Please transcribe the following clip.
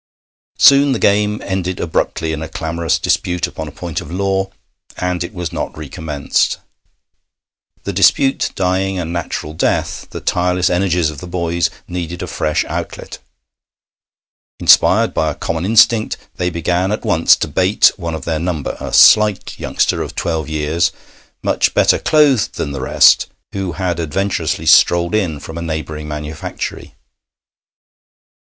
Soon the game ended abruptly in a clamorous dispute upon a point of law, and it was not recommenced. The dispute dying a natural death, the tireless energies of the boys needed a fresh outlet. Inspired by a common instinct, they began at once to bait one of their number, a slight youngster of twelve years, much better clothed than the rest, who had adventurously strolled in from a neighbouring manufactory.